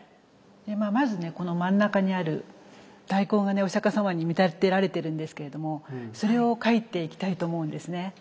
まずねこの真ん中にある大根がお釈様に見立てられてるんですけれどもそれを描いていきたいと思うんですね。